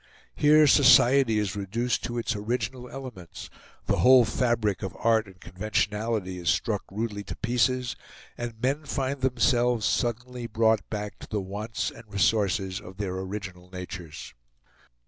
Here society is reduced to its original elements, the whole fabric of art and conventionality is struck rudely to pieces, and men find themselves suddenly brought back to the wants and resources of their original natures.